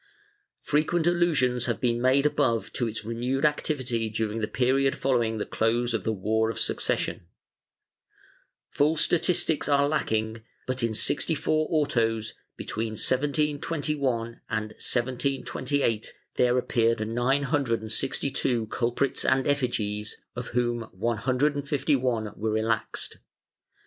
Frequent allusions have been made above to its renewed activity during the period following the close of the War of Succession. Full statistics are lacking, but in sixty four autos, between 1721 and 1728, there appeared nine hundred and sixty two culprits and effigies, of whom one hundred and fifty one were relaxed.